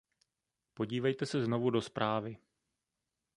Podívejte se znovu do zprávy.